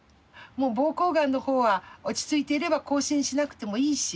もう膀胱がんのほうは落ち着いていれば更新しなくてもいいし。